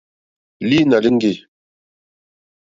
Lǐnà líŋɡî.